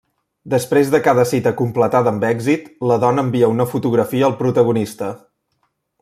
Després de cada cita completada amb èxit, la dona envia una fotografia al protagonista.